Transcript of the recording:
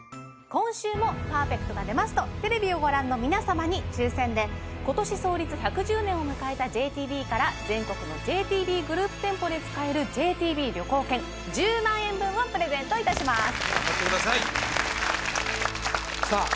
今週もパーフェクトが出ますとテレビをご覧の皆様に抽選で今年創立１１０年を迎えたＪＴＢから全国のＪＴＢグループ店舗で使えるＪＴＢ旅行券１０万円分をプレゼントいたします頑張ってくださいさあ